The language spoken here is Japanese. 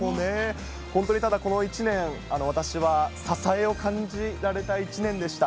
本当にただ、この一年、私は支えを感じられた一年でした。